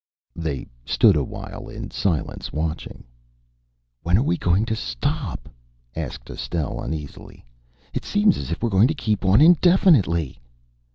They stood a while in silence, watching. "When are we going to stop?" asked Estelle uneasily. "It seems as if we're going to keep on indefinitely."